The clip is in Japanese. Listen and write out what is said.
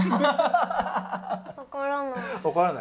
わからない？